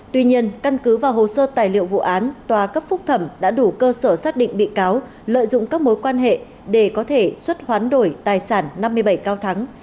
tuy nhiên căn cứ vào hồ sơ tài liệu vụ án tòa cấp phúc thẩm đã đủ cơ sở xác định bị cáo lợi dụng các mối quan hệ để có thể xuất hoán đổi tài sản năm mươi bảy cao thắng